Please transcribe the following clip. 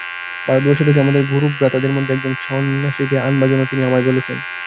ভারতবর্ষ থেকে আমার গুরুভ্রাতাদের মধ্যে একজন সন্ন্যাসীকে আনবার জন্য তিনি আমায় বলেছেন।